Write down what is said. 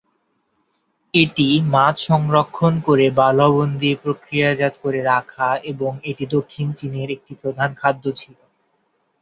এটি মাছ সংরক্ষণ করে বা লবণ দিয়ে প্রক্রিয়াজাত করে রাখা এবং এটি দক্ষিণ চীনের একটি প্রধান খাদ্য ছিল।